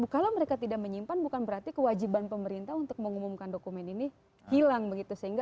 kalau mereka tidak menyimpan bukan berarti kewajiban pemerintah untuk mengumumkan dokumen ini hilang begitu sehingga